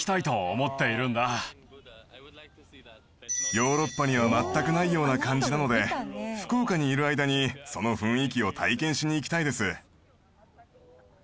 ヨーロッパには全くないような感じなので福岡にいる間にその雰囲気を体験しに行きたいです。